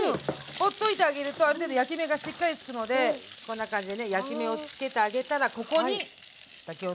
ほっといてあげるとある程度焼き目がしっかりつくのでこんな感じでね焼き目をつけてあげたらここに先ほどのピーマン。